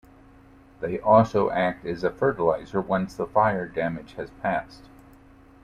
They also act as a fertilizer once the fire danger has passed.